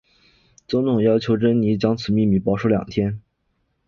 总统要求珍妮将此秘密保守两天。